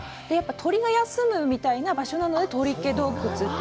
鳥が休むみたいな場所なので、鳥毛洞窟と。